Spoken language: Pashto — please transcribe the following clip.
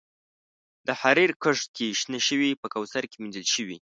د حریر کښت کې شنه شوي په کوثر کې مینځل شوي